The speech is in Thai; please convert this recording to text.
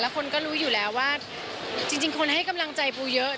คนก็รู้อยู่แล้วว่าจริงคนให้กำลังใจปูเยอะ